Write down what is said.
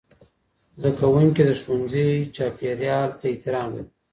زدهکوونکي د ښوونځي چاپېریال ته احترام لري.